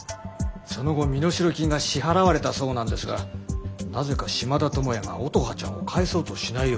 その後身代金が支払われたそうなんですがなぜか島田友也が乙葉ちゃんを返そうとしないようで。